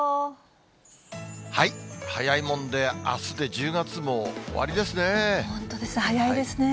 早いもんで、あすで１０月も本当です、早いですね。